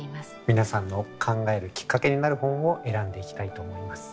皆さんの考えるきっかけになる本を選んでいきたいと思います。